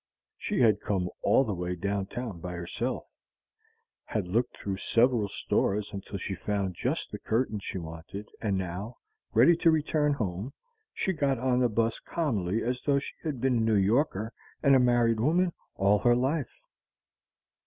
She had come all the way down town by herself, had looked through several stores until she found just the curtains she wanted; and now, ready to return home, she got on the 'bus as calmly as though she had been a New Yorker and a married woman all her life.